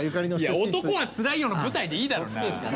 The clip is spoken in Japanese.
「男はつらいよ」の舞台でいいだろうが。